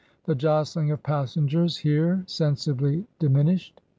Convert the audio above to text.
The jostling of passengers here sensibh diminished.